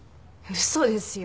嘘ですよ。